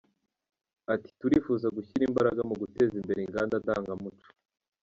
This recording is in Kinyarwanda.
Ati” Turifuza gushyira imbaraga mu guteza imbere inganda ndangamuco.